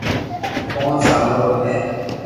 او پونچ سالو رو ھي